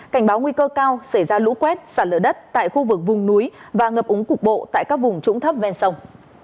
cảnh báo nguy cơ cao xảy ra lũ quét xả lửa đất tại khu vực vùng núi và ngập úng cục bộ tại các vùng trũng thấp ven sông